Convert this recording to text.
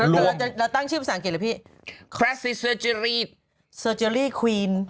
แล้วตั้งชื่อภาษาอังกฤษหรือพี่